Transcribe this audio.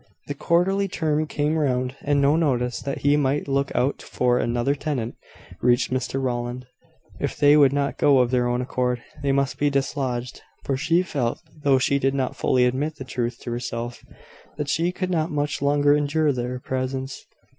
The quarterly term came round, and no notice that he might look out for another tenant reached Mr Rowland. If they would not go of their own accord, they must be dislodged; for she felt, though she did not fully admit the truth to herself; that she could not much longer endure their presence.